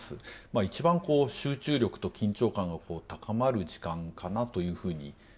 一番集中力と緊張感が高まる時間かなというふうに思いますね。